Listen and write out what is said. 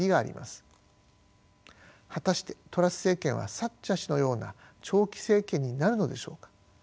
果たしてトラス政権はサッチャー氏のような長期政権になるのでしょうか。